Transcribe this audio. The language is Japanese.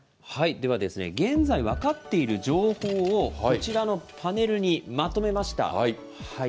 では、現在分かっている情報を、こちらのパネルにまとめました。